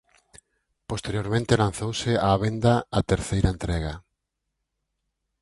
Posteriormente lanzouse á venda a terceira entrega.